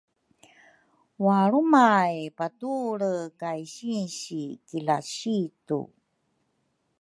walrumay patuelre kay sinsi ki lasitu.